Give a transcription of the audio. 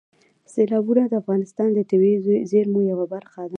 سیلابونه د افغانستان د طبیعي زیرمو یوه برخه ده.